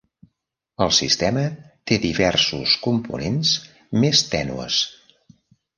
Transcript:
El sistema té diversos components més tènues.